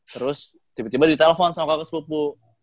terus tiba tiba ditelepon sama kakak sepupu